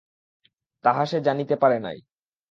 তাহা সে জানিতে পারে নাই।